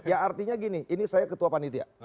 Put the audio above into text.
ya artinya gini ini saya ketua panitia